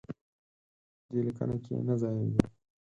دې لیکنه کې نه ځایېږي.